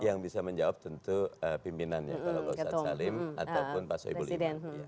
yang bisa menjawab tentu pimpinannya pak loh saad salim ataupun pak soebul ibu